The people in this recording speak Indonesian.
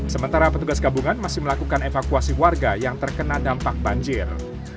sementara petugas gabungan masih melakukan evakuasi warga yang terkena dampak banjir